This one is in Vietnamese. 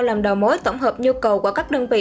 làm đầu mối tổng hợp nhu cầu của các đơn vị